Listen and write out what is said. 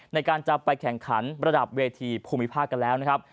ในการจะไปแข่งขันระดับเวทีภูมิภาคกันแล้วนะครับ